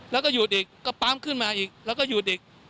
แล้วก็หยุดเด็กก็ปั๊มขึ้นมาอีกแล้วก็หยุดเด็ก